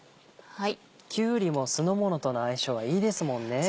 きゅうりも酢の物との相性がいいですもんね。